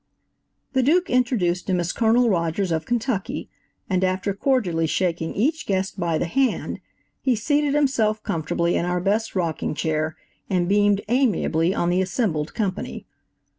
The Duke introduced him as Colonel Rogers, of Ken tucky, and after cordially shaking each guest by the hand, he seated himself comfortably in our best rocking chair and beamed amiably on the assembled company.